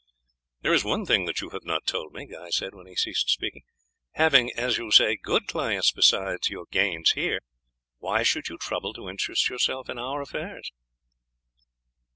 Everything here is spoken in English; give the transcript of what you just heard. "There is one thing that you have not told me," Guy said when he ceased speaking. "Having, as you say, good clients besides your gains here, why should you trouble to interest yourself in our affairs?"